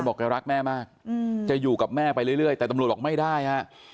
แกรักแม่มากจะอยู่กับแม่ไปเรื่อยแต่ตำรวจบอกไม่ได้ฮะ